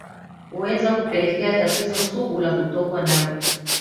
huweza kupelekea tatizo sugu la kutokwa damu